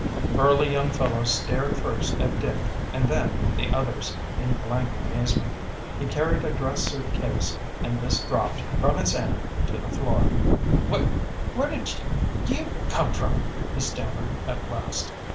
The burly young fellow stared first at Dick and then the others in blank amazement. He carried a dress suit case, and this dropped from his hand to the floor. "Whe where did yo you come from?" he stammered at last.